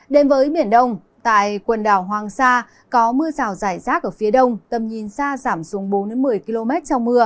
đến với biển đông tại quần đảo hoàng sa có mưa rào rải rác ở phía đông tầm nhìn xa giảm xuống bốn một mươi km trong mưa